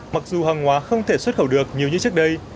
mặc dù hàng hóa không thể xuất khẩu được nhiều như trước đây